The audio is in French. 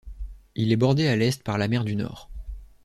Il est bordé à l'est par la mer du Nord.